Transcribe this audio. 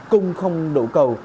cung không đủ cầu